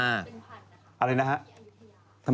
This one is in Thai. อะไรนะฮะ